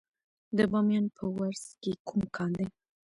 د بامیان په ورس کې کوم کان دی؟